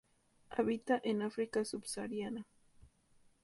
Habita en el África Sub-sahariana.